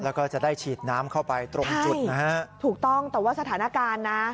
แล้วก็จะได้ฉีดน้ำเข้าไปตรงจุดนะฮะถูกต้องแต่ว่าสถานการณ์นะ